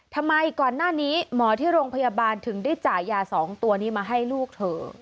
ทำไมก่อนหน้านี้หมอที่โรงพยาบาลถึงได้จ่ายยา๒ตัวนี้มาให้ลูกเธอ